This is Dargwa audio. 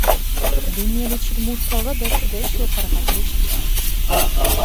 Дунъяличир мурталра даршудеш ва паргъатдеш диаб.